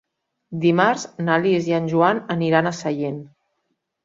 Dimarts na Lis i en Joan aniran a Sallent.